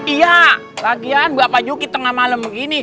iya lagian bapak yuki tengah malam begini